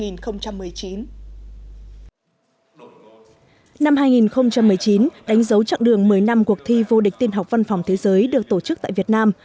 năm hai nghìn một mươi chín đánh dấu chặng đường một mươi năm cuộc thi vô địch tin học văn phòng thế giới được tổ chức tại việt nam